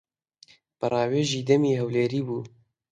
بە ڕاوێژی دەمی هەولێری بوو.